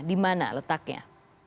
di mana letaknya